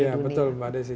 ya betul mbak desy